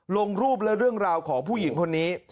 ลงรูปและเรื่องราวของผู้หญิงคนนี้